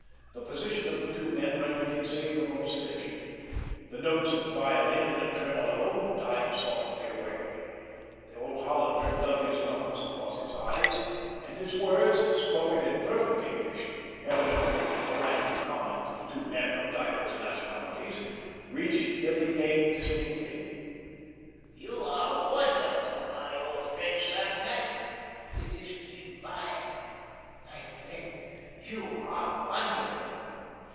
The position of the two men rendered him safe from observation. The notes of the violin, in a tremolo, died softly away. The old Hollander dug his knuckles across his eyes; and his words, spoken in perfect English, evidently the language common to the two men of diverse nationalities, reached Billy Kane distinctly: "You are wonderful, my old friend Savnak. It is divine. My friend, you are wonderful."